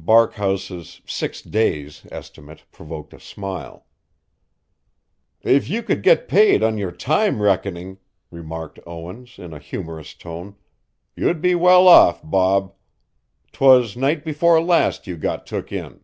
Barkhouse's "six days" estimate provoked a smile. "If you could get paid on your time reckoning," remarked Owens in a humorous tone, "you'd be well off, Bob. 'Twas night before last you got took in."